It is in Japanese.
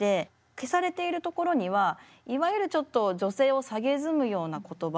消されているところにはいわゆるちょっと女性をさげすむような言葉